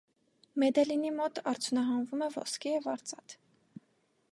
Մեդելինի մոտ արդյունահանվում է ոսկի և արծաթ։